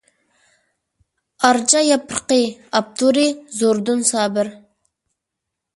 «ئارچا ياپرىقى»، ئاپتورى: زوردۇن سابىر.